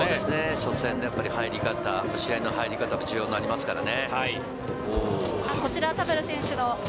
初戦の入り方、試合の入り方も重要になりますからね。